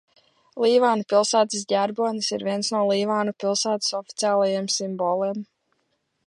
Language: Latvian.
Līvānu pilsētas ģerbonis ir viens no Līvānu pilsētas oficiālajiem simboliem.